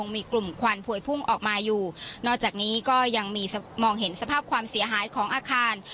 มีกลุ่มควันพวยพุ่งออกมาอยู่นอกจากนี้ก็ยังมีมองเห็นสภาพความเสียหายของอาคาร